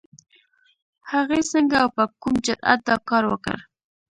هغې څنګه او په کوم جرئت دا کار وکړ؟